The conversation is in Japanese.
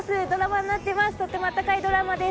とっても温かいドラマです。